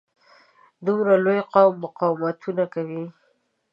دومره لوی قوم مقاومتونه کوي.